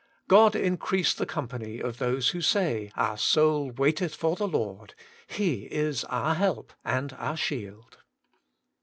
God increase the company of those who say, * Our soul waiteth for the Lord : He is our Help and our Shield.'